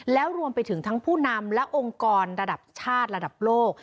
แล้วรวมไปถึงทั้งผู้นำและองค์กรระดับชาติระดับโลก